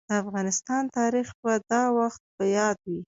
د افغانستان تاريخ به دا وخت په ياد وي.